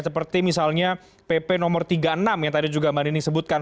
seperti misalnya pp no tiga puluh enam yang tadi juga mbak nining sebutkan